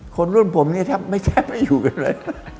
คนรุ่นผมเนี่ยแทบไม่แทบไม่อยู่กันเลย